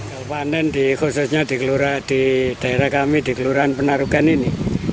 kabupaten khususnya di daerah kami di kelurahan penarukan ini